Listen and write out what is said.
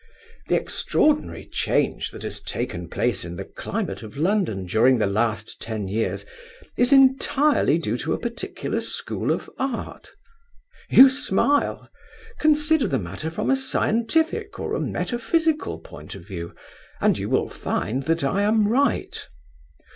The extraordinary change that has taken place in the climate of London during the last ten years is entirely due to a particular school of Art. You smile. Consider the matter from a scientific or a metaphysical point of view, and you will find that I am right.